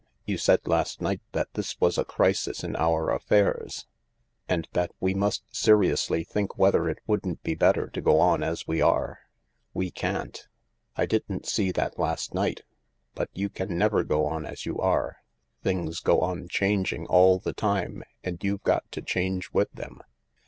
You said last night that 168 THE LARK this was a crisis in our affairs and that we must seriously think whether it wouldn't be better to go on as we are." "We can't. I didn't see that last night— but you can never go on as you are. Things go on changing all the time, and you've got to change with them.